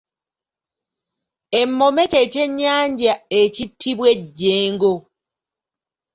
Emmome kye ky’ennyanja ekittibwa ejjengo.